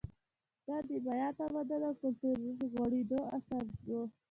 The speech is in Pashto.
دا د مایا تمدن او کلتور د غوړېدو عصر و